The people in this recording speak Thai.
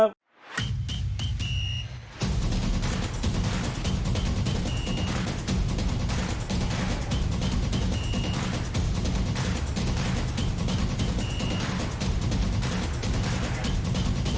ขอบคุณครับ